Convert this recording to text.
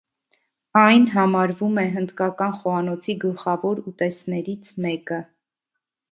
Այն համարվում է հնդկական խոհանոցի գլխավոր ուտեստներից մեկը։